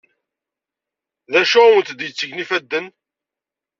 D acu awent-d-yettgen ifadden?